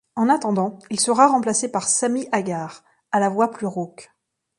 En attendant, il sera remplacé par Sammy Hagar, à la voix plus rauque.